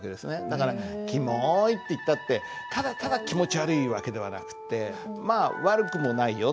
だから「キモイ」って言ったってただただ気持ち悪い訳ではなくてまあ悪くもないよ